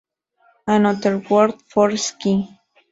Another Word for Sky.